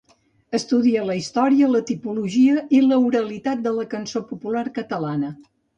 Estudia la història, la tipologia i l'oralitat de la cançó popular catalana.